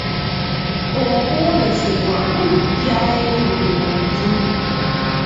Okwolesebwa kujja eri buli muntu.